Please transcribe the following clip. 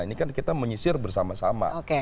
ini kan kita menyisir bersama sama